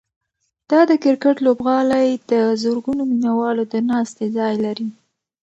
دا د کرکټ لوبغالی د زرګونو مینه والو د ناستې ځای لري.